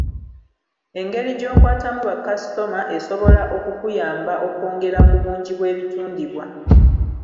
Engeri gy’okwatamu bakasitoma esobola okukuyamba okwongera ku bungi bw’ebitundibwa.